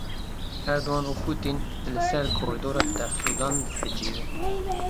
Erdogan û Putin dê li ser korîdora dexlûdan bicivin.